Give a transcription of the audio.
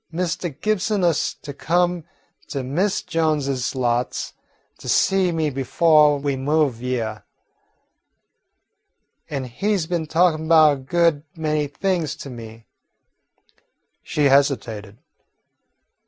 Mistah Gibson ust to come to Mis' Jones's lots to see me befo' we moved hyeah, an' he 's been talkin' 'bout a good many things to me." She hesitated.